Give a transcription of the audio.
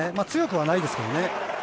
強くはないですけどね。